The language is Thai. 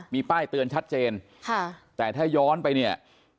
มีป้ายเตือนชัดเจนค่ะแต่ถ้าย้อนไปเนี่ย